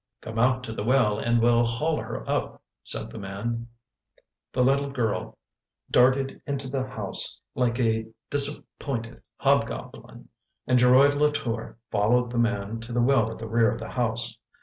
" Come out to the well and well haul her up/' said the man. The little girl darted into the house, like a dis appointed hobgoblin, and Geroid Latour followed the man to the well at the rear of the house.